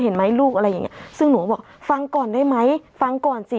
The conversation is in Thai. เห็นไหมลูกอะไรอย่างเงี้ยซึ่งหนูก็บอกฟังก่อนได้ไหมฟังก่อนสิ